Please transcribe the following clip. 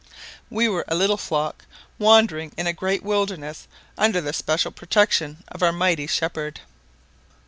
"We were a little flock wandering in a great wilderness, under the special protection of our mighty Shepherd.